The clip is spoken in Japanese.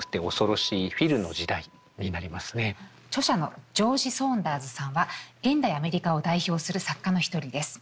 著者のジョージ・ソーンダーズさんは現代アメリカを代表する作家の一人です。